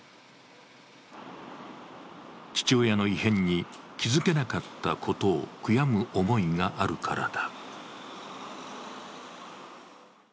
父親の異変に気づけなかったことを悔やむ思いがあるからだ。